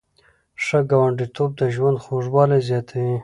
ښه ګاونډیتوب د ژوند خوږوالی زیاتوي.